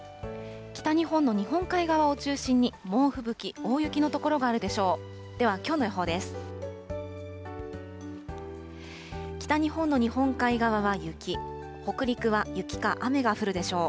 北日本の日本海側を中心に、猛吹雪、大雪の所があるでしょう。